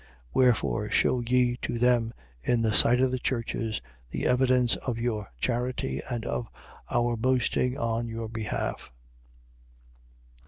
8:24. Wherefore shew ye to them, in the sight of the churches, the evidence of your charity and of our boasting on your behalf.